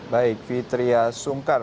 baik fitriya sungkar